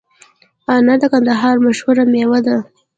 انار د کندهار مشهوره مېوه ده